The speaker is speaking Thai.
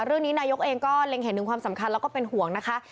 เรื่องนี้นายกเองก็เล็งเห็นถึงความสำคัญแล้วก็เป็นห่วงนะคะ